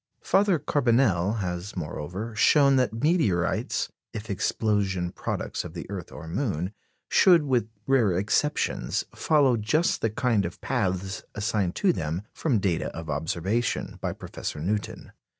Father Carbonelle has, moreover, shown that meteorites, if explosion products of the earth or moon, should, with rare exceptions, follow just the kind of paths assigned to them, from data of observation, by Professor Newton.